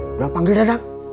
sudah panggil datang